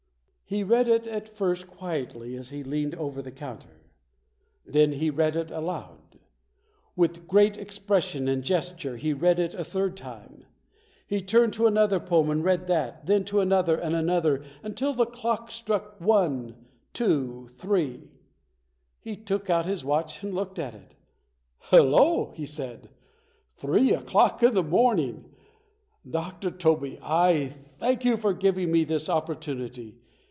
He read it at first quietly as he leaned over the counter. Then he read it aloud. With great ex pression and gesture he read it a third time. He turned to another poem and read that; then to another and another until the clock struck one 52 ] UNSUNG HEROES two three. He took out his watch and looked at it. "Hello!" he said, "Three o'clock in the morn ing! Dr. Tobey, I thank you for giving me this opportunity.